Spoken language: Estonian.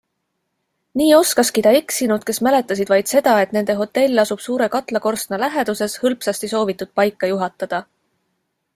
Nii oskaski ta eksinud, kes mäletasid vaid seda, et nende hotell asub suure katlakorstna läheduses, hõlpsasti soovitud paika juhatada.